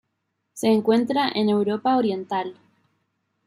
Se encuentra en Europa Oriental.